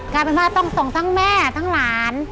กลายเป็นว่าต้องส่งทั้งแม่ทั้งหลาน